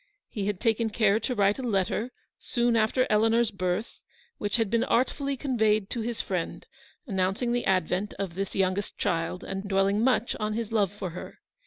He had taken care to write a letter, soon after Eleanor's birth, which had been artfully conveyed to his friend, announcing the advent of this youngest child, and dwelling much on his love for her.